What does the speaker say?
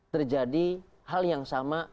terjadi hal yang sama